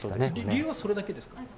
理由はそれだけですか。